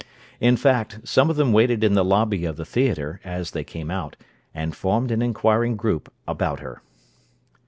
In fact, some of them waited in the lobby of the theatre, as they came out, and formed an inquiring group about her.